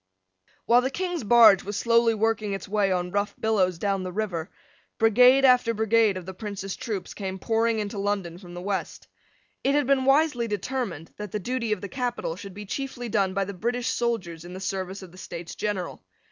While the King's barge was slowly working its way on rough billows down the river, brigade after brigade of the Prince's troops came pouring into London from the west. It had been wisely determined that the duty of the capital should be chiefly done by the British soldiers in the service of the States General.